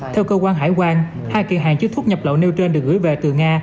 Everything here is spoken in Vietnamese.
theo cơ quan hải quan hai kỳ hàng chứa thuốc nhập lậu nêu trên được gửi về từ nga